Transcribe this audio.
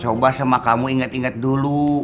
coba sama kamu inget inget dulu